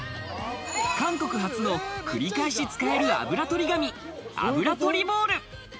韓国初の繰り返し使えるあぶらとり紙、あぶらとりボール。